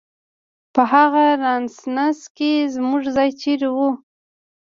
په هغه رنسانس کې زموږ ځای چېرې و؟